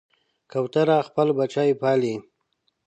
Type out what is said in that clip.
کوتره خپل بچي پالي.